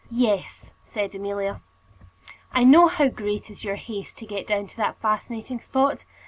"Yes," said Amelia; "I know how great is your haste to get down to that fascinating spot.